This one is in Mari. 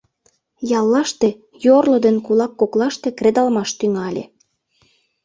Яллаште йорло ден кулак коклаште кредалмаш тӱҥале.